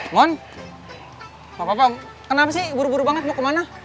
mon apa apa kenapa sih buru buru banget mau kemana